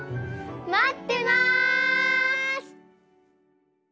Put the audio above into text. まってます！